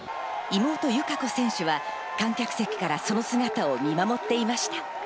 妹・友香子選手は観客席からその姿を見守っていました。